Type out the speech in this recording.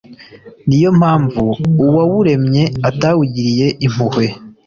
ni yo mpamvu Uwawuremye atawugiriye impuhwe,